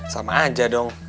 sama aja dong